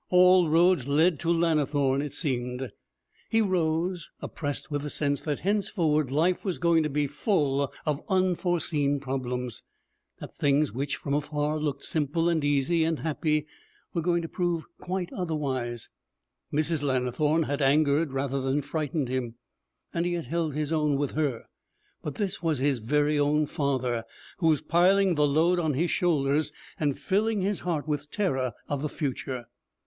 All roads led to Lannithorne, it seemed. He rose, oppressed with the sense that henceforward life was going to be full of unforeseen problems; that things which, from afar, looked simple, and easy, and happy, were going to prove quite otherwise. Mrs. Lannithorne had angered rather than frightened him, and he had held his own with her; but this was his very own father who was piling the load on his shoulders and filling his heart with terror of the future.